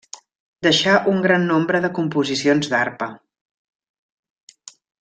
Deixà un gran nombre de composicions d'arpa.